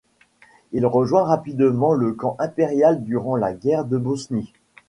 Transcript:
Il rejoint rapidement le camp impérial durant la guerre de Boshin.